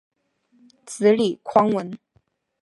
子李匡文。